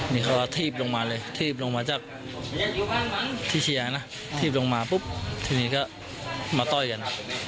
นี่เขาก็ทีบลงมาเลยทีบลงมาจากที่เชียร์นะทีบลงมาปุ๊บทีนี้ก็มาต้อยกัน